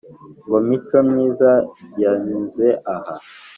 ngo mico myiza yanyuze aha!